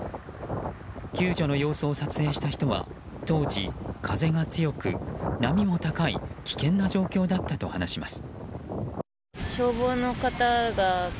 救助の様子を撮影した人は当時、風が強く波も高い危険な状況だったと話します。